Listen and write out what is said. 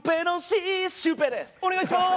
お願いします！